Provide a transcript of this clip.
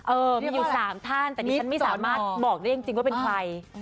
เออมีอยู่๓ท่านแต่ดิฉันไม่สามารถบอกได้จริงว่าเป็นใคร